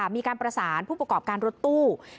มีการประสานผู้ประกอบการรถตู้